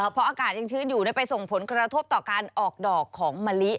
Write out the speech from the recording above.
พออากาศยังชื้นอยู่ไปส่งผลกระทบต่อการออกดอกของมะลิ